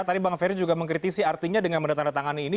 tadi bang ferry juga mengkritisi artinya dengan tanda tanda tangan ini